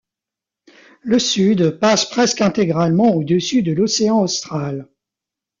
Le sud passe presque intégralement au-dessus de l'océan Austral.